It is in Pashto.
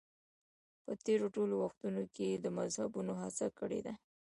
په تېرو ټولو وختونو کې مذهبيونو هڅه کړې ده.